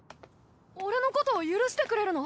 俺のこと許してくれるの？